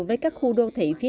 với các khu đô thị